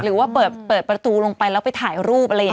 หรือว่าเปิดประตูลงไปแล้วไปถ่ายรูป